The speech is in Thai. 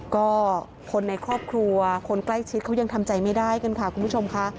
ก็คนในครอบครัวคนใกล้ชิดเขายังทำใจไม่ได้กันค่ะคุณผู้ชมค่ะ